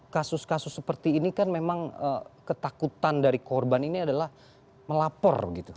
kasus kasus seperti ini kan memang ketakutan dari korban ini adalah melapor gitu